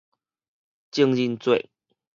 情人節